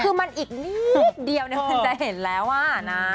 คือมันอีกนิดเดียวคุณจะเห็นแล้วอะนะ